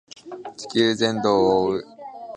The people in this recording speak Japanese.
地球全土を覆う